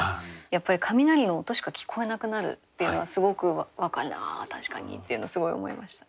やっぱり雷の音しか聞こえなくなるっていうのがすごく分かるな確かにっていうのすごい思いました。